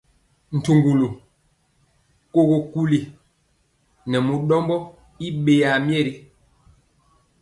Ntuŋgulu, kogo kuli nɛ mu ɗɔmbɔ i ɓeyaa myeri.